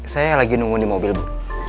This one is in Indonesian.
saya lagi nunggu di mobil bu